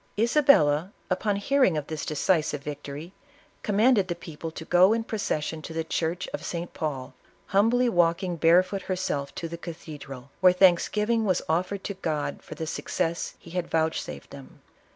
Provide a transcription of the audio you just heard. Isabella, upon hearing of this decisive victory, com manded the people to go in procession to the church of St. Paul, humbly walking barefoot herself to the cathedral, where thanksgiving was oftered to God for 'iccess he hud vouchsafed them.